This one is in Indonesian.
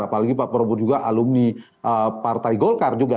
apalagi pak prabowo juga alumni partai golkar juga